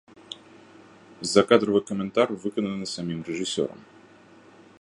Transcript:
Закадравы каментар выкананы самім рэжысёрам.